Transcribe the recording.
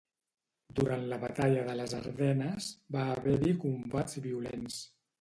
Durant la Batalla de les Ardenes, va haver-hi combats violents.